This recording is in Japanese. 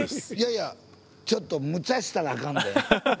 いやいやちょっとむちゃしたらあかんで。